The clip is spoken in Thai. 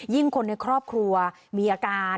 คนในครอบครัวมีอาการ